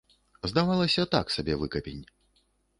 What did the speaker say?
Здавалася, так сабе выкапень.